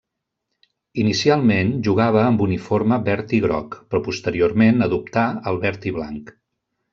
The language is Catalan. Inicialment jugava amb uniforme verd i groc, però posteriorment adoptà el verd i blanc.